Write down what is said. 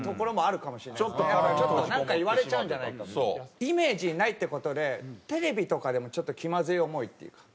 イメージにないって事でテレビとかでもちょっと気まずい思いっていうか。